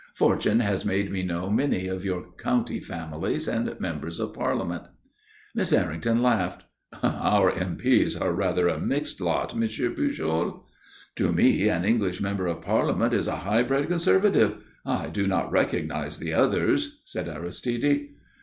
"Fortune has made me know many of your county families and members of Parliament." Miss Errington laughed. "Our M. P.'s are rather a mixed lot, Monsieur Pujol." "To me an English Member of Parliament is a high bred conservative. I do not recognize the others," said Aristide.